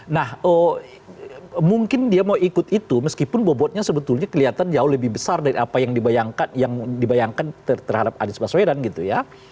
nah mungkin dia mau ikut itu meskipun bobotnya sebetulnya kelihatan jauh lebih besar dari apa yang dibayangkan terhadap anies baswedan gitu ya